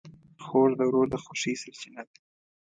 خور د ورور د خوښۍ سرچینه ده.